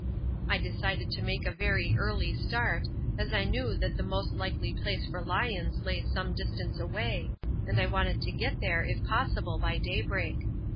I decided to make a very early start, as I knew that the most likely place for lions lay some distance away, and I wanted to get there if possible by daybreak.